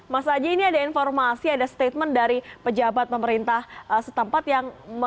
mas aji ini ada informasi ada statement dari pejabat pemerintah setempat yang